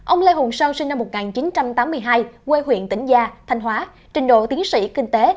ông lê hùng sau sinh năm một nghìn chín trăm tám mươi hai quê huyện tỉnh gia thanh hóa trình độ tiến sĩ kinh tế